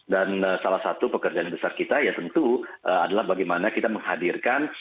dan salah satu pekerjaan besar kita ya tentu adalah bagaimana kita menghadirkan